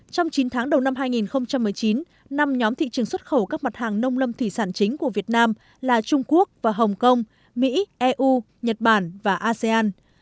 trong chín tháng đầu năm hai nghìn một mươi chín năm nhóm thị trường xuất khẩu các mặt hàng nông lâm thủy sản chính của việt nam là trung quốc và hồng kông mỹ eu nhật bản và asean